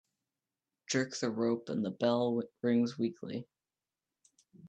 Jerk the rope and the bell rings weakly.